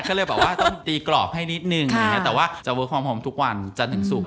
ก็เลยบอกว่าต้องตีกรอบให้นิดนึงแต่ว่าจะเวิร์คความหอมทุกวันจันทร์ถึงศุกร์